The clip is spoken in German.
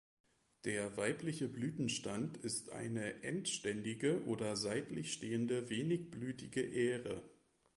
Der weibliche Blütenstand ist eine endständige oder seitlich stehende wenigblütige Ähre.